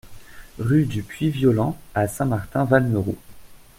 Rue du Puy Violent à Saint-Martin-Valmeroux